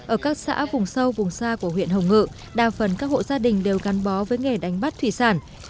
ở các xã vùng sâu vùng xa của huyện hồng ngự đa phần các hộ gia đình đều gắn bó với nghề đánh bắt thủy sản